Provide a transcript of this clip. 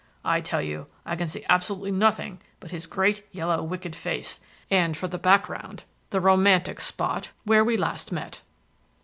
I tell you I can see absolutely nothing but his great, yellow, wicked face, and for the background the romantic spot where we last met."